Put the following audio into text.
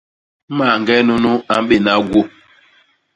Mañge nunu a mbéna gwô.